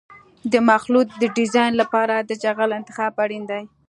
د مخلوط د ډیزاین لپاره د جغل انتخاب اړین دی